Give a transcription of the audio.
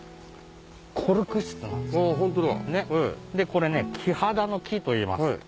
これねキハダの木といいます。